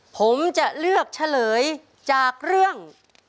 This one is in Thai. ผมจะเลือกเฉลยจากเรื่อง